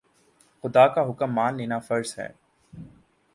خدا کا حکم مان لینا فرض ہے